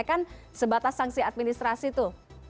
kan sebatas sanksi administrasi tuh